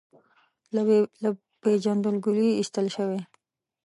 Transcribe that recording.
له پېژندګلوۍ یې ایستل شوی.